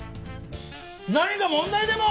何か問題でも！？